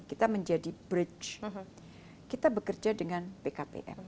kita menjadi bridge kita bekerja dengan pkpm